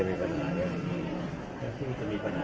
อันนี้คือ๑จานที่คุณคุณค่อยอยู่ด้านข้างข้างนั้น